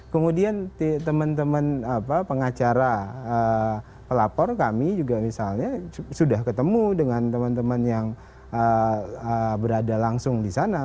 kemudian teman teman pengacara pelapor kami juga misalnya sudah ketemu dengan teman teman yang berada langsung di sana